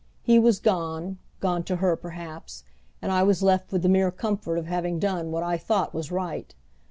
He was gone, gone to her perhaps, and I was left with the mere comfort of having done what I thought was right.